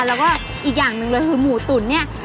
ในน้ำแกงนะคะแล้วก็อีกอย่างหนึ่งเลยคือหมูตุ๋นเนี้ย